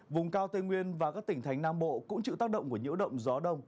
vùng cao tây nguyên và các tỉnh thành nam bộ cũng chịu tác động của nhiễu động gió đông